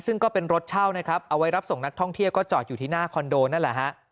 ซึ่งก็เป็นรถเช่านะครับเอาไว้รับส่งนักท่องเที่ยวก็จอดอยู่ที่หน้าคอนโดนั่นแหละฮะ